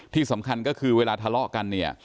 ที่สำคัญก็คือเวลาทะเลาะกันเนี่ย